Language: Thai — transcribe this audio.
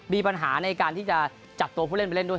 มีปัญหาในการที่จะจับตัวผู้เล่นไปเล่นด้วย